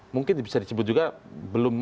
mungkin bisa disebut juga belum